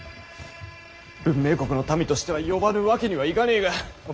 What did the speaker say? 文明国の民としては呼ばぬわけにはいがねぇが。